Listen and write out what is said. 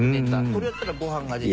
「これやったらご飯が出た」